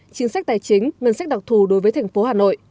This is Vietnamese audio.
chính sách tài chính ngân sách đặc thù đối với thành phố hà nội